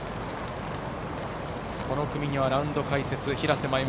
この組にはラウンド解説・平瀬真由美